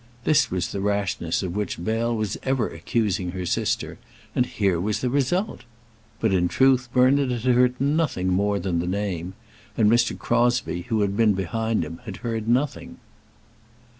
This was the rashness of which Bell was ever accusing her sister, and here was the result! But, in truth, Bernard had heard nothing more than the name, and Mr. Crosbie, who had been behind him, had heard nothing.